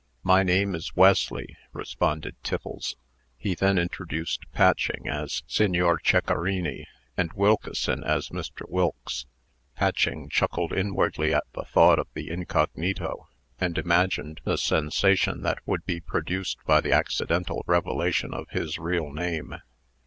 "My name is Wesley," responded Tiffles. He then introduced Patching as Signor Ceccarini, and Wilkeson as Mr. Wilkes. Patching chuckled inwardly at the thought of the incognito, and imagined the sensation that would be produced by the accidental revelation of his real name.